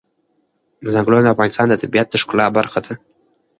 چنګلونه د افغانستان د طبیعت د ښکلا برخه ده.